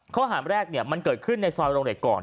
ข้อหาแรกมันเกิดขึ้นในซอยโรงเหล็กก่อน